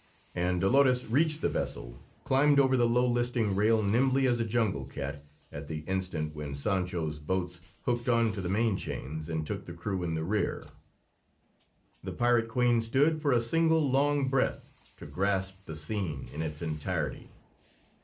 And Dolores reached the vessel, climbed over the low listing rail nimbly as a jungle cat, at the instant when Sancho's boats hooked on to the main chains and took the crew in the rear. The pirate queen stood for a single long breath to grasp the scene in its entirety.